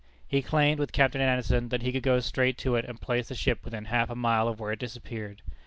He claimed, with Captain Anderson, that he could go straight to it and place the ship within half a mile of where it disappeared.